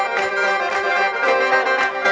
สวัสดีครับ